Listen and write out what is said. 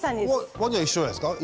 ワニは一緒じゃないですか？